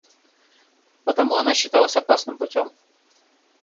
Потому она считалась опасным путём.